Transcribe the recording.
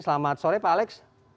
selamat sore pak alex